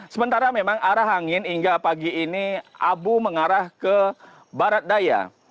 sementara memang arah angin hingga pagi ini abu mengarah ke barat daya